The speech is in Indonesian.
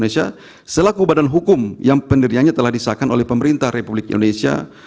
selaku badan hukum yang pendiriannya telah disahkan oleh pemerintah republik indonesia